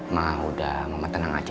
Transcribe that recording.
ma udah mama tenang aja ya